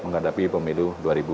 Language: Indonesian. menghadapi pemilu dua ribu dua puluh